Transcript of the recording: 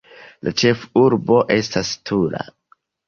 La ĉefurbo estas Tula.